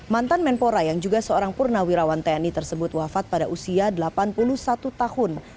mantan menpora yang juga seorang purnawirawan tni tersebut wafat pada usia delapan puluh satu tahun